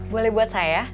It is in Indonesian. boleh buat saya